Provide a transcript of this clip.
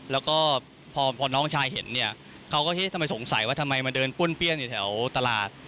แล้วก็พอน้องชายเห็นเขาก็สงสัยว่าทำไมมันเดินปุ้นเปี้ยนอยู่แถวตลาด